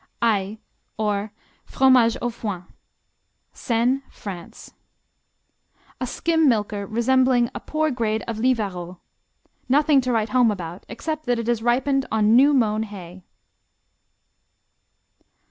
Hay, or Fromage au Foin Seine, France A skim milker resembling "a poor grade of Livarot." Nothing to write home about, except that it is ripened on new mown hay.